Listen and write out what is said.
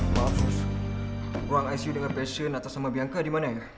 maaf suster ruang icu dengan patient atas sama bianca dimana ya